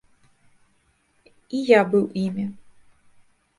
І я быў імі.